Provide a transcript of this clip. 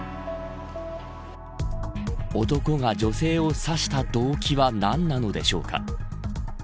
男が女性を刺した動機は何なのでしょうか。